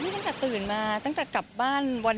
ตั้งแต่ตื่นมาตั้งแต่กลับบ้านวัน